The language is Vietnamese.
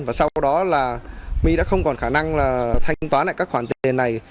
và sau đó là my đã không còn khả năng là thanh toán lại các khoản tiền này